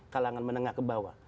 kalangan menengah kebawah